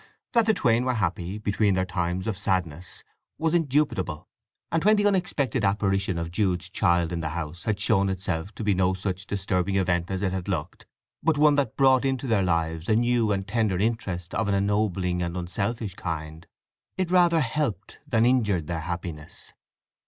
That the twain were happy—between their times of sadness—was indubitable. And when the unexpected apparition of Jude's child in the house had shown itself to be no such disturbing event as it had looked, but one that brought into their lives a new and tender interest of an ennobling and unselfish kind, it rather helped than injured their happiness.